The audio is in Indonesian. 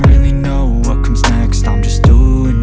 duduk dulu ya